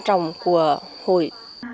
trọng của hội